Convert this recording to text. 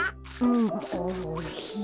おいしい。